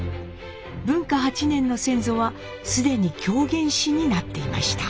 文化８年の先祖は既に狂言師になっていました。